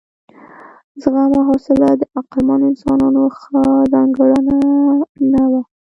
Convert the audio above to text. زغم او حوصله د عقلمنو انسانانو ښه ځانګړنه نه وه.